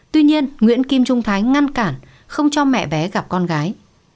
tuy nhiên nguyễn kim trung thái ngăn cản không cho mẹ bé gặp con gái